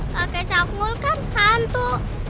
kakek canggul kan hantu